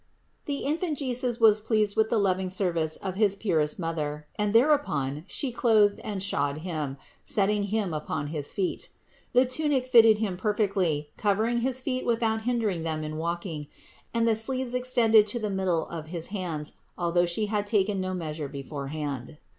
The Infant Jesus was pleased with the loving service of his purest Mother ; and there upon She clothed and shod Him, setting Him upon his feet. The tunic fitted Him perfectly, covering his feet without hindering them in walking, and the sleeves ex tended to the middle of his hands, although She had taken no measure beforehand.